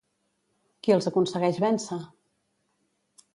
Qui els aconsegueix vèncer?